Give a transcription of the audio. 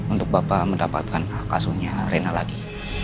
untuk bapak mendapatkan kasusnya rena lagi